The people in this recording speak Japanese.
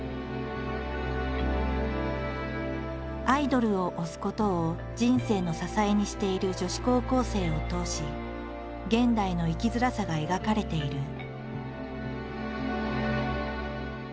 アイドルを「推す」ことを人生の支えにしている女子高校生を通し現代の生きづらさが描かれている。